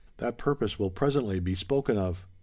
That purpose will presently be spoken of.